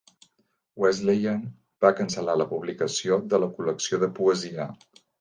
Wesleyan va cancel·lar la publicació de la col·lecció de poesia.